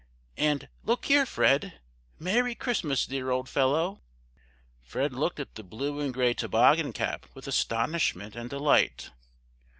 And,—look here, Fred! Merry Christmas, dear old fellow!" Fred looked at the blue and gray toboggan cap with astonishment and delight.